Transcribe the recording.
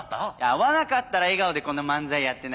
合わなかったら笑顔でこんな漫才やってないでしょ。